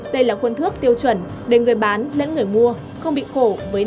đây là khuôn thước tiêu chuẩn để người bán lẫn người mua không bị khổ với nạn cỏ đất chi phối đưa đảo